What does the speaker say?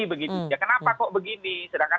begitu ya kenapa kok begini sedangkan